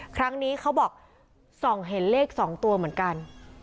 ครั้งนี้เขาบอกส่องเห็นเลขสองตัวเหมือนกัน